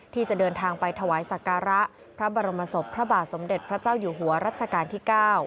ที่จะเดินทางไปถวายสักการะพระบรมศพพระบาทสมเด็จพระเจ้าอยู่หัวรัชกาลที่๙